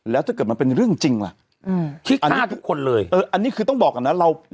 แล้วถ้าเกิดมันเป็นเรื่องจริงแหละที่ฆ่าทุกคนเลยเอ่ออันนี้คือต้องบอกอันนั้นเรา